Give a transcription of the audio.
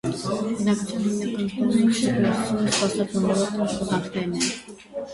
Բնակչության հիմնական զբաղմունքը ձկնորսությունն ու սպասարկման ոլորտի աշխատանքներն են։